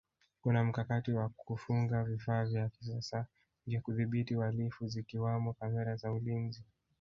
kuna mkakati wa kufunga vifaa vya kisasa vya kudhibiti uhalifu zikiwamo kamera za ulinzi